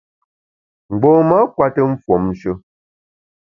Mgbom-a kùete mfuomshe.